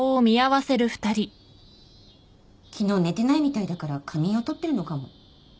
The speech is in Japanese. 昨日寝てないみたいだから仮眠を取ってるのかも。